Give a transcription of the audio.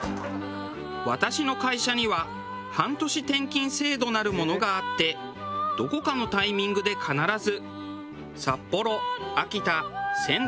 私の会社には半年転勤制度なるものがあってどこかのタイミングで必ず。